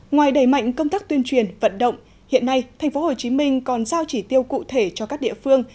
ngoài đẩy mạnh công tác tuyên truyền vận động hiện nay tp hcm còn giao chỉ tiêu cụ thể cho các địa phương